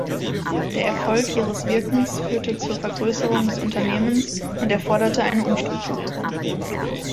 Der Erfolg ihres Wirkens führte zur Vergrößerung des Unternehmens und erforderte eine Umstrukturierung.